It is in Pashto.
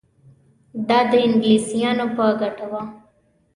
دا د انګلیسیانو په ګټه وه.